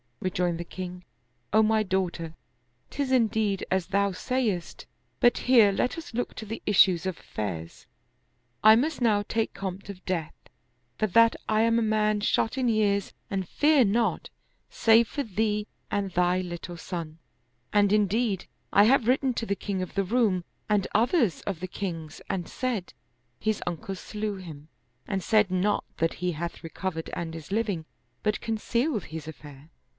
" Re joined the king, " O my daughter, 'tis indeed as thou sayest ; but here let us look to the issues of affairs. I must now take compt of death, for that I am a man shot in years and fear not save for thee and thy little son ; and indeed I have writ ten to the king of the Roum and others of the kings and said, His uncle slew him, and said not that he hath recov ered and is living, but concealed his affair.